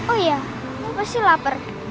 oh ya pasti lapar